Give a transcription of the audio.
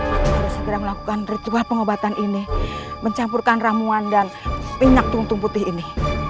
aku harus segera melakukan ritual pengobatan ini mencampurkan ramuan dan minyak tum tum putih ini